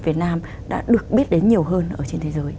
việt nam đã được biết đến nhiều hơn ở trên thế giới